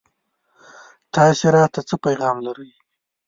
تاسو راته څه پيغام لرئ